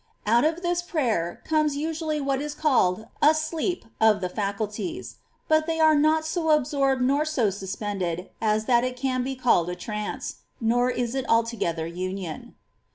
5. Out of this prayer comes usually what is called fStifs!^^ a sleep of the faculties ; but they are not so absorbed nor so suspended as that it can be called a trance ; nor is it altogether union.